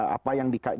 apa yang dikaisi